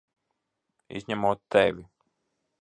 Izņemot tevi!